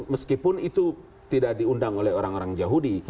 meskipun itu tidak diundang oleh orang orang yahudi